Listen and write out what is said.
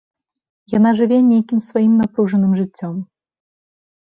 Яна жыве нейкім сваім напружаным жыццём.